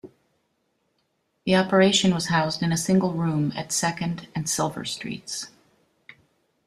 The operation was housed in a single room at Second and Silver streets.